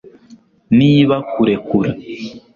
niba kurekura